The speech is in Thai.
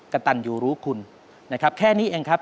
กระตันยูรู้คุณนะครับแค่นี้เองครับ